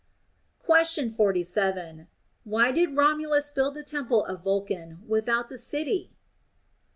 Question 47. Why did Romulus build the temple of Vulcan without the city